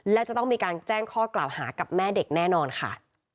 และจะต้องมีการแจ้งข้อกล่าวหากับแม่เด็กแน่นอนค่ะ